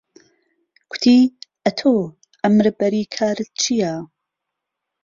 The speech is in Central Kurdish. کوتی ئهتۆ عەمر بەری کارت چییه